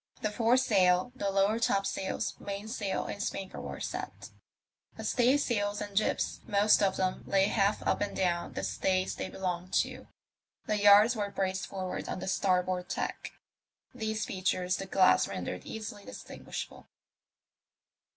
The foresail, the lower top sails^ mainsail, and spanker were set ; but staysails and jibs, most of them, lay half up and down the stays they belonged to ; the yards were braced forward on the star board tack. These features the glass rendered easily distinguishable.